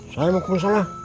saya mengukur sholat